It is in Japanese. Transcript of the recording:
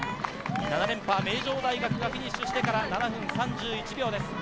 ７連覇、名城大学がフィニッシュしてから７分３１秒です。